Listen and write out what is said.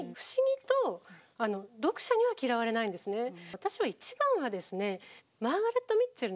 私は一番はですね